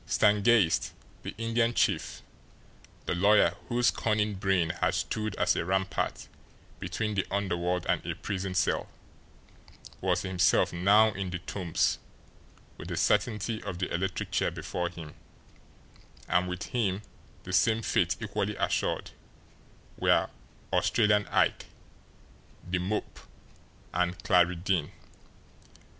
Stangeist, the Indian chief, the lawyer whose cunning brain had stood as a rampart between the underworld and a prison cell, was himself now in the Tombs with the certainty of the electric chair before him; and with him, the same fate equally assured, were Australian Ike, The Mope, and Clarie Deane!